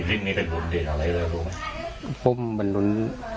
ฟิรินนี้เป็นบุงเดศอะไรเลยรู้ไหมบุงเป็นหุน